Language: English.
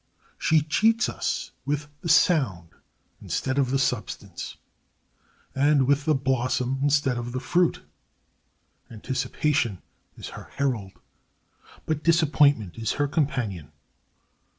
She cheats us with the sound instead of the substance, and with the blossom instead of the fruit. Anticipation is her herald, but disappointment is her companion.